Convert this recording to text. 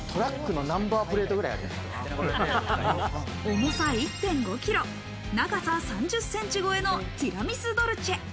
重さ１．５ｋｇ、長さ３０ｃｍ超えのティラミス・ドルチェ。